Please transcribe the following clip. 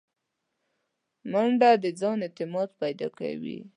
منډه د ځان اعتماد پیدا کوي